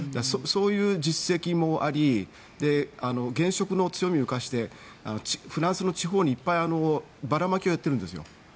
そういう実績もあり現職の強みを生かしてフランスの地方にいっぱいバラマキをやってるんですよ。